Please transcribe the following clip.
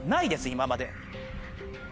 今まで。